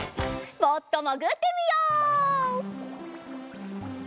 もっともぐってみよう！